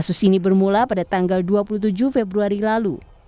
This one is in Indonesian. kasus ini bermula pada tanggal dua puluh tujuh februari lalu